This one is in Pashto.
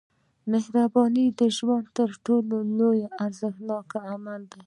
• مهرباني د ژوند تر ټولو ارزښتناک عمل دی.